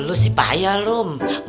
lu sih bahaya rung